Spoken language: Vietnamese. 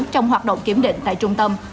trong hoạt động kiểm định tại trung tâm